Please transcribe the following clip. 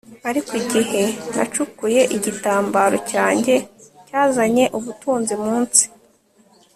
ariko igihe nacukuye, igitambaro cyanjye cyazanye ubutunzi munsi